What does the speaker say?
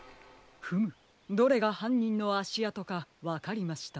フムどれがはんにんのあしあとかわかりました。